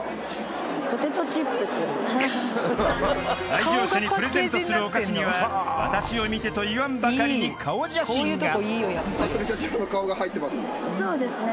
［来場者にプレゼントするお菓子には私を見てと言わんばかりに顔写真が］